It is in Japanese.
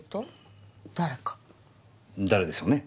誰でしょうね？